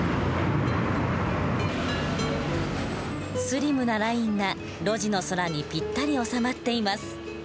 スリムなラインが路地の空にぴったり収まっています。